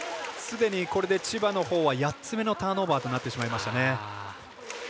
すでに千葉のほうは８つ目のターンオーバーとなってしまいましたね。